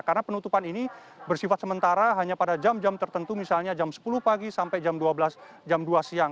karena penutupan ini bersifat sementara hanya pada jam jam tertentu misalnya jam sepuluh pagi sampai jam dua siang